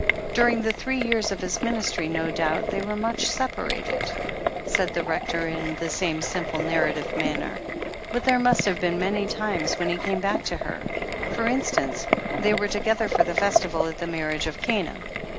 During the three years of His ministry no doubt they were much separated," said the Rector in the same simple, narrative manner, "but there must have been many times when He came back to her — for instance, they were together for the festival at the marriage of Cana.